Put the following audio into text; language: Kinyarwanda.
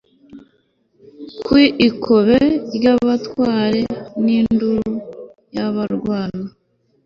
ku ikobe ry'abatware n'induru y'abarwana